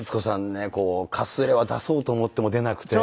ねかすれは出そうと思っても出なくて。